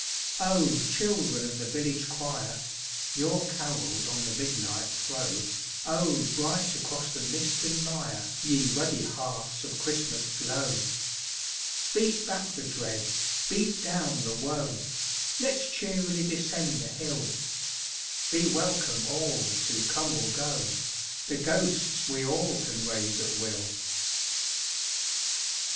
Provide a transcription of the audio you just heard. Oh, children of the village choir, Your carols on the midnight throw, Oh bright across the mist and mire Ye ruddy hearths of Christmas glow! Beat back the dread, beat down the woe, LetŌĆÖs cheerily descend the hill; Be welcome all, to come or go, The ghosts we all can raise at will!